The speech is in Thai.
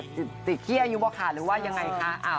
ติดเขี้ยอยู่บ้างค่ะหรือว่ายังไงคะ